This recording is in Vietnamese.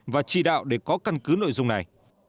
và chỉ đạo để có căn cứ nội dung này